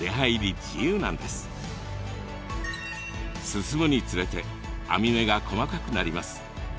進むにつれて網目が細かくなります。